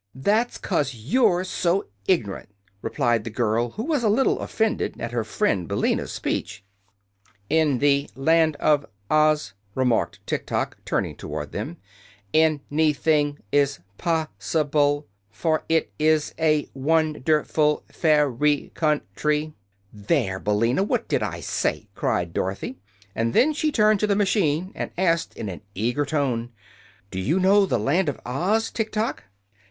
"That's 'cause you're so ign'rant," replied the girl, who was a little offended at her friend Billina's speech. "In the Land of Oz," remarked Tiktok, turning toward them, "an y thing is pos si ble. For it is a won der ful fair y coun try." "There, Billina! what did I say?" cried Dorothy. And then she turned to the machine and asked in an eager tone: "Do you know the Land of Oz, Tiktok?"